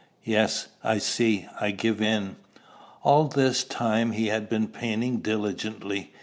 "Yes, I see. I give in." All this time he had been painting diligently.